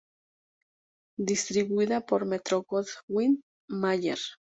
Distribuida por Metro-Goldwyn-Mayer.